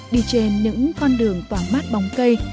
đi trên những con đường toàn mát bóng cây